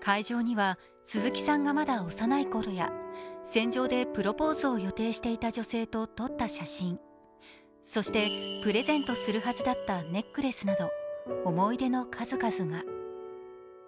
会場には鈴木さんがまだ幼いころや船上でプロポーズを予定していた女性と撮った写真、そしてプレゼントするはずだったネックレスなど思い出の数々が。